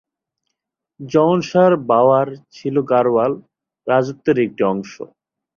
জওনসার-বাওয়ার ছিল গাড়োয়াল রাজত্বের একটি অংশ।